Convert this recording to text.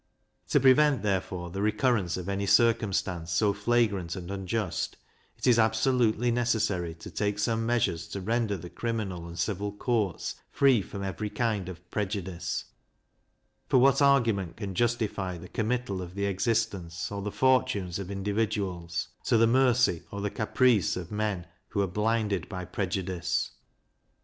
To prevent, therefore, the recurrence of any circumstance so flagrant and unjust, it is absolutely necessary to take some measures to render the criminal and civil courts free from every kind of prejudice; for what argument can justify the committal of the existence or the fortunes of individuals, to the mercy or the caprice of men who are blinded by prejudice.